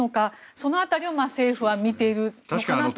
その辺りを政府は見ているのかなと。